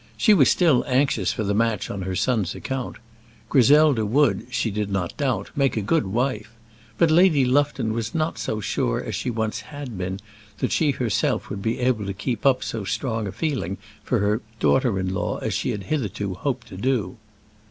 She was still anxious for the match on her son's account. Griselda would, she did not doubt, make a good wife; but Lady Lufton was not so sure as she once had been that she herself would be able to keep up so strong a feeling for her daughter in law as she had hitherto hoped to do.